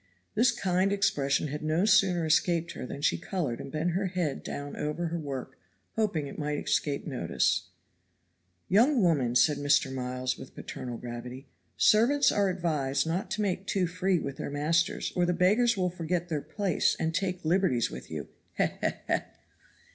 This kind expression had no sooner escaped her than she colored and bent her head down over her work, hoping it might escape notice. "Young woman," said Mr. Miles with paternal gravity, "servants are advised not to make too free with their masters; or the beggars will forget their place and take liberties with you. He! He!